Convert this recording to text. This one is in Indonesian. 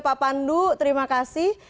pak pandu terima kasih